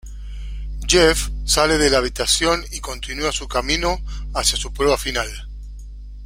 Jeff sale de la habitación y continua su camino hacia su prueba final.